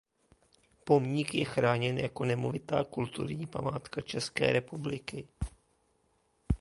Pomník je chráněn jako nemovitá Kulturní památka České republiky.